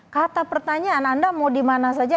kata pertanyaan anda mau di mana saja